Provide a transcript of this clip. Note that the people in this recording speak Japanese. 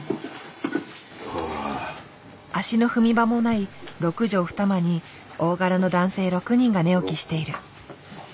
足の踏み場もない６畳二間に大柄の男性６人が寝起きしている。